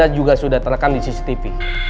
wajah anda juga sudah terekam di cctv